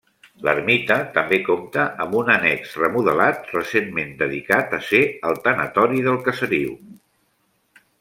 L'ermita també compta amb un annex remodelat recentment dedicat a ser el tanatori del caseriu.